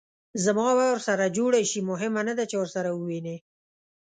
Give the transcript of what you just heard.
زما به ورسره جوړه شي؟ مهمه نه ده چې ورسره ووینې.